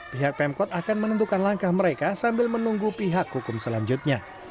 pihak pemkot akan menentukan langkah mereka sambil menunggu pihak hukum selanjutnya